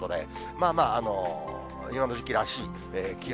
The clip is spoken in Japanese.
まあまあ今の時期らしい気温。